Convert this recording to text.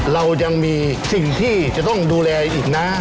เรายังมีสิ่งที่จะต้องดูแลอีกนะ